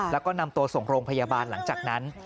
แล้วก็นำตัวส่งโรงพยาบาลหลังจากนั้น